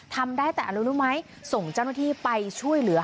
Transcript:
ทำได้แต่อะไรรู้ไหมส่งเจ้าหน้าที่ไปช่วยเหลือ